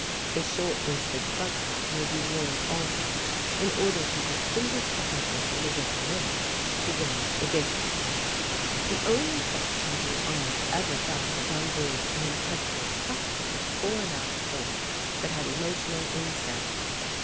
A short waisted plug hat may be worn also, in order to distinguish the hunter from the whipper in, who wears a baseball cap. The only fox hunting I have ever done was on board an impetuous, tough bitted, fore and aft horse that had emotional insanity.